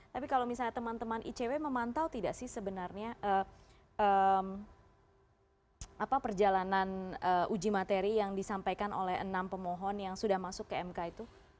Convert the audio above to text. tapi kalau misalnya teman teman icw memantau tidak sih sebenarnya perjalanan uji materi yang disampaikan oleh enam pemohon yang sudah masuk ke mk itu